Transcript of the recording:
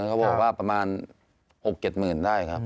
เขาบอกว่าประมาณ๖๗หมื่นได้ครับ